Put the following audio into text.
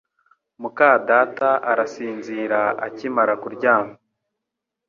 muka data arasinzira akimara kuryama